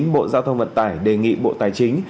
bộ giao thông vận tải đề nghị bộ tài chính